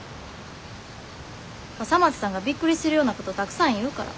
笠松さんがびっくりするようなことたくさん言うから。